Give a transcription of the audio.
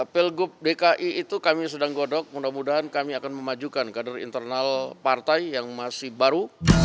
pilgub dki itu kami sedang godok mudah mudahan kami akan memajukan kader internal partai yang masih baru